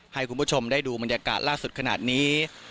ให้คุณผู้ชมได้ดูบรรยากาศล่าสุดขนาดนี้